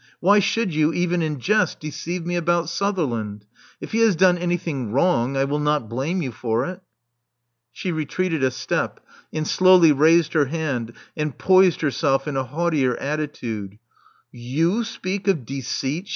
Why should you, even in jest, deceive me about vSutherland? If he has done anything wrong, I will not blame you for it." She retreated a step, and slowly raised her head and ])ois(Hl herself in a haughtier attitude. You speak of deceit!"